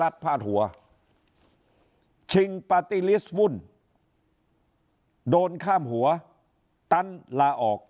หลัดพาดหัวชิงปฏิลิสต์วุ่นโดนข้ามหัวตั้นลาออก